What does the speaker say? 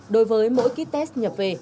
đối với mỗi ký test nhập về